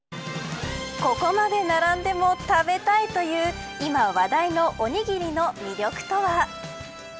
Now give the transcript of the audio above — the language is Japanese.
ここまで並んでも食べたいという今話題のおにぎりの魅力とは。